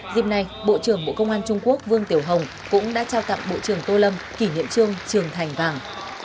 dịp này bộ trưởng bộ công an trung quốc vương tiểu hồng cũng đã trao tặng bộ trưởng tô lâm kỷ niệm trương trường thành vàng